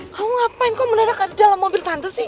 kamu ngapain kok menandak di dalam mobil tante sih